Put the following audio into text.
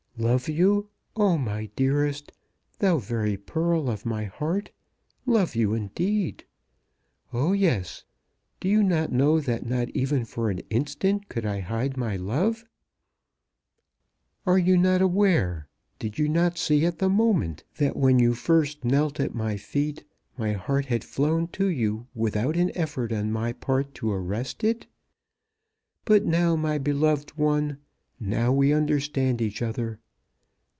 "Love you, oh my dearest, thou very pearl of my heart, love you indeed! Oh, yes. Do you not know that not even for an instant could I hide my love? Are you not aware, did you not see at the moment, that when you first knelt at my feet, my heart had flown to you without an effort on my part to arrest it? But now, my beloved one, now we understand each other.